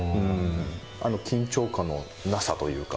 あの緊張感のなさというか。